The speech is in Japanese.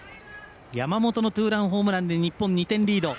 山本のツーランホームランで日本２点リード。